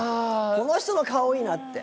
この人の顔いいなって。